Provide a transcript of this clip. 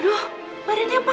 aduh badannya apaan